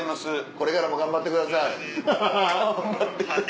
これからも頑張ってください。